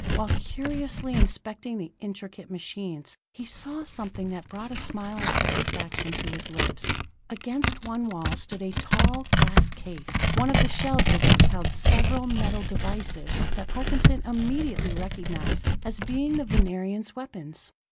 While curiously inspecting the intricate machines, he saw something that brought a smile of satisfaction to his lips. Against one wall stood a tall, glass case, one of the shelves of which held several metal devices that Parkinson immediately recognized as being the Venerians' weapons.